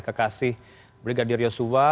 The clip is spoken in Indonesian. kekasih brigadir yosua